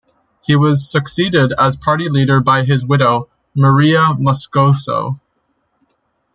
He was succeeded as party leader by his widow, Mireya Moscoso.